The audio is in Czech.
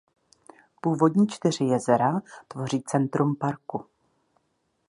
Původní čtyři jezera tvoří centrum parku.